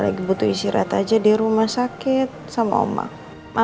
lagi butuh istirahat aja di rumah sakit sama omak